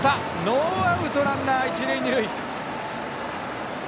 ノーアウトランナー、一塁二塁。